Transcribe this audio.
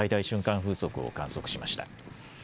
風速を観測しました。